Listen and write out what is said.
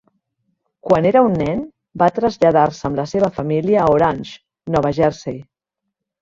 Quan era un nen, va traslladar-se amb la seva família a Orange, Nova Jersei.